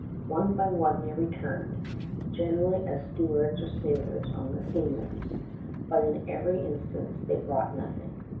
One by one they returned, generally as stewards or sailors on the steamers, but in every instance they brought nothing.